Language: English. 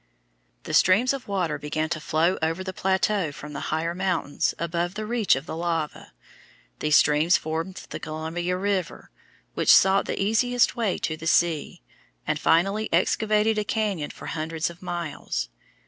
Then streams of water began to flow over the plateau from the higher mountains above the reach of the lava. These streams formed the Columbia River, which sought the easiest way to the sea, and finally excavated a cañon for hundreds of miles.